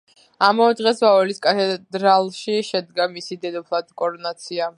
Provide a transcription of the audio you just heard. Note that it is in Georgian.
ამავე დღეს, ვაველის კათედრალში შედგა მისი დედოფლად კორონაცია.